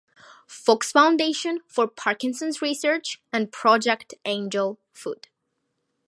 Fox Foundation for Parkinson's research and Project Angel Food.